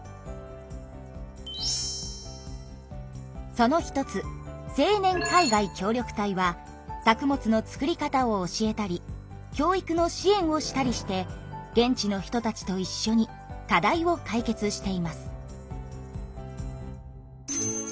その一つ青年海外協力隊は作物の作り方を教えたり教育の支援をしたりして現地の人たちといっしょに課題を解決しています。